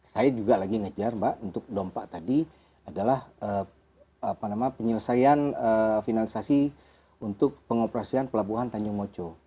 saya juga lagi ngejar mbak untuk dompak tadi adalah apa namanya penyelesaian finalisasi untuk pengoperasian pelabuhan tanjung mocho